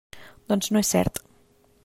Doncs no és cert.